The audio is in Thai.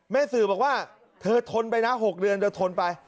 สื่อบอกว่าเธอทนไปนะ๖เดือนเธอทนไป